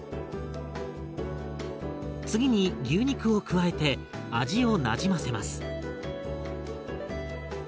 次に牛肉を加えて味をなじませます。